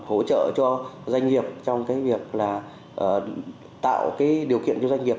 hỗ trợ cho doanh nghiệp trong việc tạo điều kiện cho doanh nghiệp